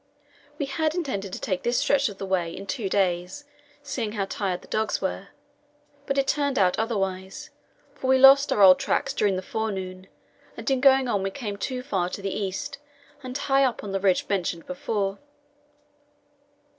We had intended to take this stretch of the way in two days, seeing how tired the dogs were; but it turned out otherwise, for we lost our old tracks during the forenoon, and in going on we came too far to the east, and high up on the ridge mentioned before.